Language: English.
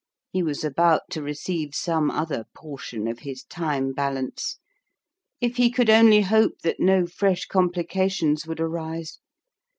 He was about to receive some other portion of his time bal ance. If he could only hope that no fresh complications would arise